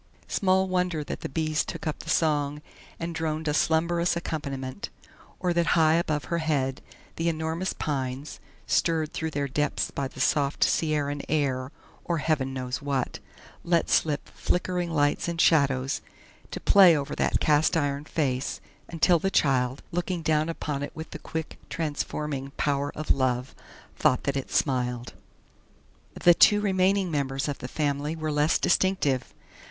Small wonder that the bees took up the song and droned a slumberous accompaniment, or that high above her head the enormous pines, stirred through their depths by the soft Sierran air or Heaven knows what let slip flickering lights and shadows to play over that cast iron face, until the child, looking down upon it with the quick, transforming power of love, thought that it smiled. The two remaining members of the family were less distinctive.